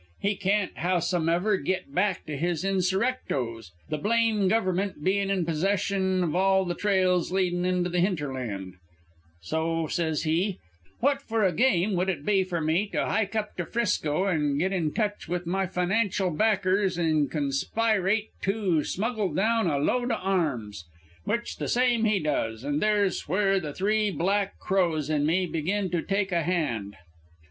He can't, howsomever, git back to his insurrectos; the blame Gover'ment being in possession of all the trails leadin' into the hinterland; so says he, 'What for a game would it be for me to hyke up to 'Frisco an' git in touch with my financial backers an' conspirate to smuggle down a load o' arms?' Which the same he does, and there's where the Three Black Crows an' me begin to take a hand.